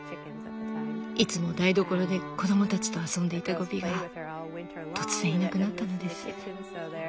いつも台所で子供たちと遊んでいたゴビが突然いなくなったのです。